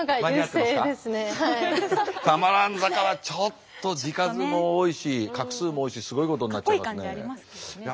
多摩蘭坂はちょっと字数も多いし画数も多いしすごいことになっちゃいますね。